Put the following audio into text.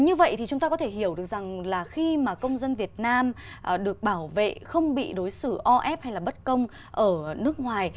như vậy thì chúng ta có thể hiểu được rằng là khi mà công dân việt nam được bảo vệ không bị đối xử o ép hay là bất công ở nước ngoài